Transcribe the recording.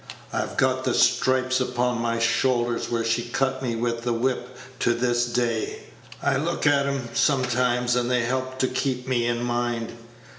I've got the stripes upon my shoulder where she cut me with the whip to this day; I look at 'm sometimes, and they help to keep me in mind.